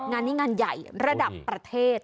งานนี้งานใหญ่ระดับประเทศ